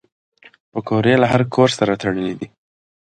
پکورې له هر کور سره تړلي دي